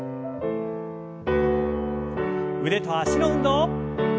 腕と脚の運動。